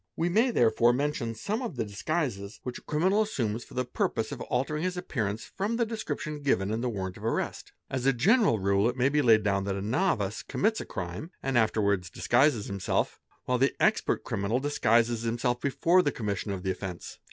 7 may therefore mention some of the disguises which a criminal assun || DISGUISING THE FACE 297 for the purpose of altering his appearance from the description given in the warrant of arrest. As a general rule it may be laid down that a novice commits a crime and afterwards disguises himself; while the expert criminal disguises himself before the commission of the offence.